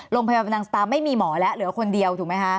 โรงพยาบาลนังสตาร์ไม่มีหมอแล้วเหลือคนเดียวถูกไหมคะ